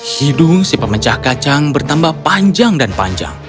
hidung si pemecah kacang bertambah panjang dan panjang